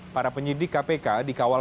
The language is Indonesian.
pada penyidik kpk dikawal sejumlah penyidik kpk